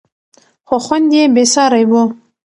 خو خوند یې بېساری و.